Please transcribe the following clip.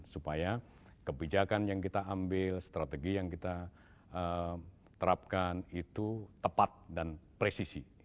supaya kebijakan yang kita ambil strategi yang kita terapkan itu tepat dan presisi